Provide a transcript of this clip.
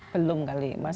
belum kali mas